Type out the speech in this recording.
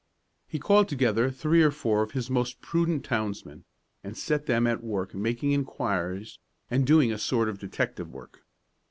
He called together three or four of his most prudent townsmen, and set them at work making inquiries and doing a sort of detective work.